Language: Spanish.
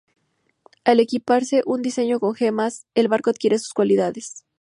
Al equiparse un diseño con gemas, el barco adquiere sus cualidades.